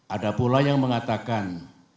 ada pula yang mengatakan